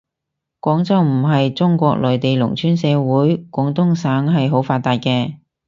廣州唔係中國內地農村社會，廣東省係好發達嘅